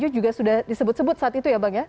juga sudah disebut sebut saat itu ya bang ya